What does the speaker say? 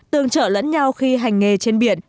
tường trở lẫn nhau khi hành nghề trên biển